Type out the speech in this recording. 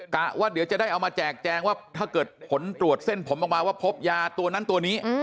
ว่าเดี๋ยวจะได้เอามาแจกแจงว่าถ้าเกิดผลตรวจเส้นผมออกมาว่าพบยาตัวนั้นตัวนี้